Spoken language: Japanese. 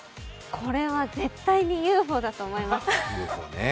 これは絶対にＵＦＯだと思います。